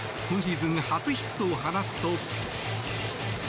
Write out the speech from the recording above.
今シーズン初ヒットを放つと。